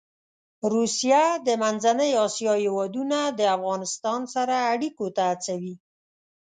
روسیه د منځنۍ اسیا هېوادونه د افغانستان سره اړيکو ته هڅوي.